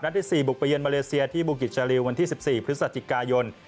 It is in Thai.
ที่๔บุกไปเยือมาเลเซียที่บุกิจชาลิววันที่๑๔พฤศจิกายน